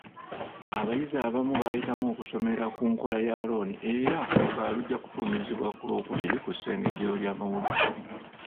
Abayizi abamu baayitamu okusomera ku nkola ya looni era olukalala lujja kufulumizibwa ku lwokubiri ku ssengejjero ly'amawulire.